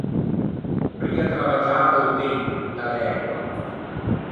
Pria travaggiâ da-o tempo, da l’ægua.